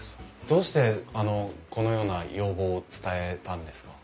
どうしてこのような要望を伝えたんですか？